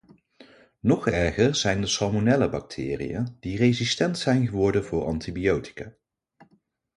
Nog erger zijn de salmonellabacteriën die resistent zijn geworden voor antibiotica.